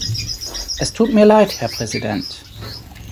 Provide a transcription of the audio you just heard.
Es tut mir Leid, Herr Präsident.